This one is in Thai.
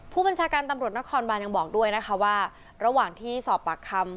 ผู้บัญชาการตำรวจนครบานยังบอกด้วยนะคะว่าระหว่างที่สอบปากคำ